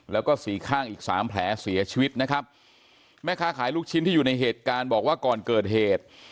แล้วก็สี่ข้างอีกสามแผลเสียชีวิตนะครับแม่ค้าขายลูกชิ้นที่อยู่ในเหตุการณ์บอกว่าก่อนเกิดเหตุ